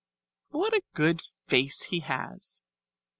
What a good face he has!"